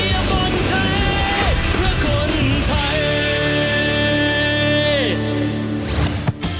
เพื่อคนไทย